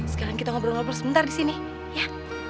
sekarang kita ngobrol ngobrol sebentar di sini ya